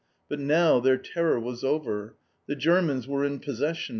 But now their terror was over. The Germans were in possession.